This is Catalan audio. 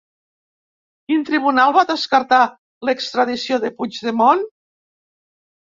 Quin tribunal va descartar l'extradició de Puigdemont?